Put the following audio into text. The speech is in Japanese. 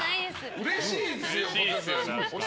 うれしいですよ。